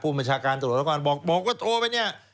ผู้บัญชาการตลอดละก่อนบอกว่าโทไป